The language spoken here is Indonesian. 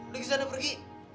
lu bisa udah pergi